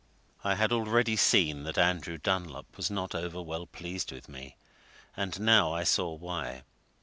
I had already seen that Andrew Dunlop was not over well pleased with me and now I saw why.